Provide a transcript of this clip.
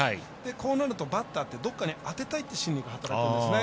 こうなると、バッターってどこかに当てたいって心理が働くんですね。